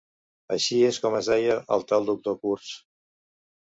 Així és com es deia el tal doctor Kurtz.